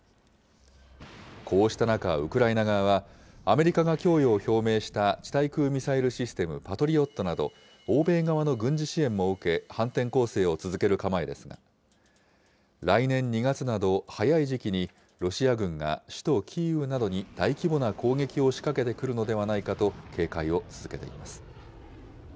こうした中、ウクライナ側はアメリカが供与を表明した地対空ミサイルシステム、パトリオットなど、欧米側の軍事支援も受け、反転攻勢を続ける構えですが、来年２月など早い時期にロシア軍が首都キーウなどに大規模な攻撃を仕掛けてくるのではないかと警戒を続けています。